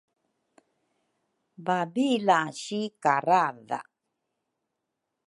Babila si karadha